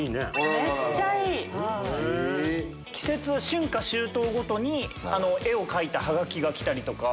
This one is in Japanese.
春夏秋冬ごとに絵を描いたハガキが来たりとか。